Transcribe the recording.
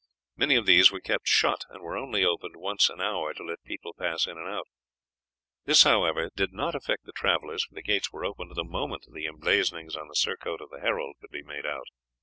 Many of these were kept shut, and were only opened once an hour to let people pass in and out. This, however, did not affect the travellers, for the gates were opened the moment the emblazonings on the surcoat of the herald could be made out.